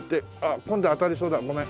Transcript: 今度は当たりそうだごめん。